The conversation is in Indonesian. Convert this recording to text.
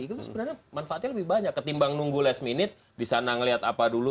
itu sebenarnya manfaatnya lebih banyak ketimbang nunggu last minute di sana ngeliat apa dulu